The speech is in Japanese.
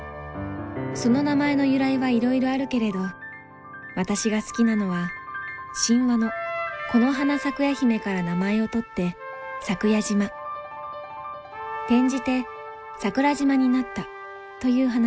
その名前の由来はいろいろあるけれど私が好きなのは神話のコノハナサクヤヒメから名前を取ってサクヤ島転じて桜島になったという話だ。